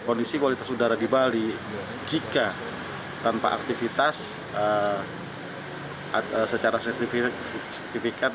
kondisi kualitas udara di bali jika tanpa aktivitas secara signifikan